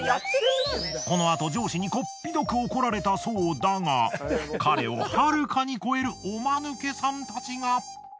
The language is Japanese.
このあと上司にこっぴどく怒られたそうだが彼をはるかに超えるおまぬけさんたちが！